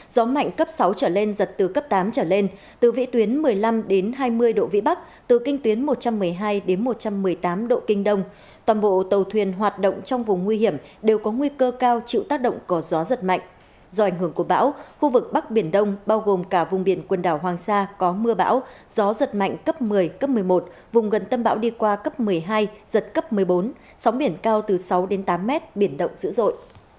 do ảnh hưởng của bão khu vực bắc biển đông bao gồm cả vùng biển quần đảo hoàng sa có mưa bão gió giật mạnh cấp một mươi cấp một mươi một vùng gần tâm bão đi qua cấp một mươi hai giật cấp một mươi bốn sóng biển cao từ sáu đến tám mét biển động dữ dội